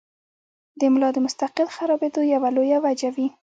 د ملا د مستقل خرابېدو يوه لويه وجه وي -